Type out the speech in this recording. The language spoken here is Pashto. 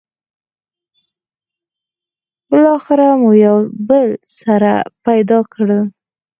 بالاخره مو یو بل سره پيدا کړل.